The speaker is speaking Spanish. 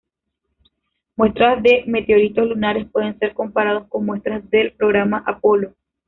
Muestras de meteoritos lunares pueden ser comparados con muestras del programa Apolo.